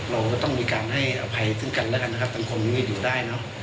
เราก็ต้องมีการให้อภัยซึ่งกันแล้วกันนะครับทั้งคนที่อยู่ได้เนอะ